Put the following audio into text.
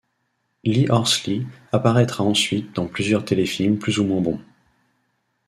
Lee Horsley apparaîtra ensuite dans plusieurs téléfilms plus ou moins bons.